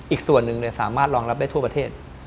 อีกส่วนหนึ่งสามารถรองรับได้ทั่วประเทศ